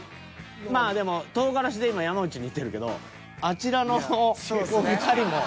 まあでもトウガラシで今山内にいってるけどあちらのお二人も。